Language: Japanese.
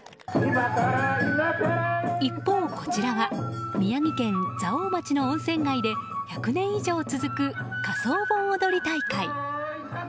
一方、こちらは宮城県蔵王町の温泉街で１００年以上続く仮装盆踊り大会。